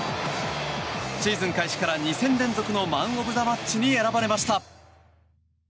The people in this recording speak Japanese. シーズン開始から２戦連続のマン・オブ・ザ・マッチに選ばれました。